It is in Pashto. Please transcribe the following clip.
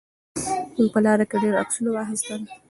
موږ په لاره کې ډېر عکسونه واخیستل.